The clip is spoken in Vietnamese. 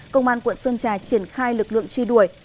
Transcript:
công an quận sơn trà triển khai lực lượng truy đuổi